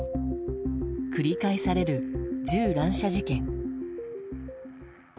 繰り返される銃乱射事件。